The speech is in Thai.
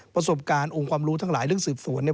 ประสบการณ์องค์ความรู้ทั้งหลายเรื่องสืบสวนเนี่ย